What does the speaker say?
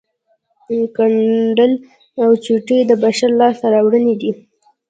ګنډل او چوټې د بشر لاسته راوړنې دي